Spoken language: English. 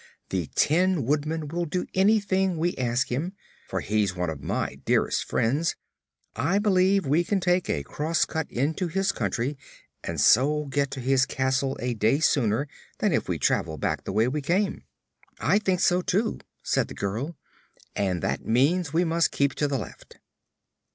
"The Tin Woodman will do anything we ask him, for he's one of my dearest friends. I believe we can take a crosscut into his country and so get to his castle a day sooner than if we travel back the way we came." "I think so, too," said the girl; "and that means we must keep to the left."